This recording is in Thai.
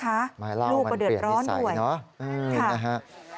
ลูกมันเปลี่ยนปีใสเนอะค่ะค่ะลูกมันเปลี่ยนปีใสเนอะค่ะ